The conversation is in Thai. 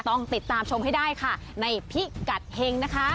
ต้องติดตามชมให้ได้ค่ะในพิกัดเฮงนะคะ